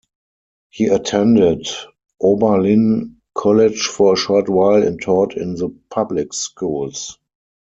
He attended Oberlin College for a short while and taught in the public schools.